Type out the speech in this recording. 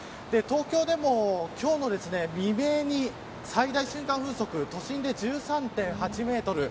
東京でも今日の未明に最大瞬間風速都心で１３．８メートル。